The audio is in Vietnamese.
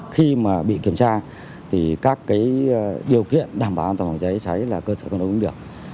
khi mà bị kiểm tra thì các điều kiện đảm bảo an toàn phòng cháy chữa cháy là cơ sở không đúng được